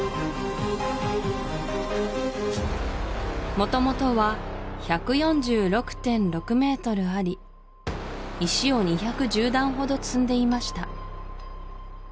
元々は１４６．６ｍあり石を２１０段ほど積んでいました